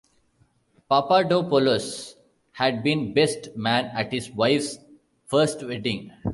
Papadopoulos had been best man at his wife's first wedding.